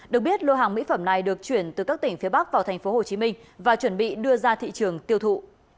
được biết lô hàng mỹ phẩm này được chuyển từ các tỉnh phía bắc vào tp hcm và chuẩn bị đưa ra thị trường tiêu thụ